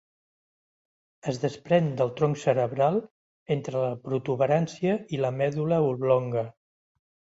Es desprèn del tronc cerebral entre la protuberància i la medul·la oblonga.